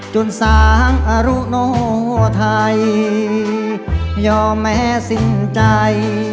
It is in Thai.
สางอรุโนไทยยอมแม้สิ้นใจ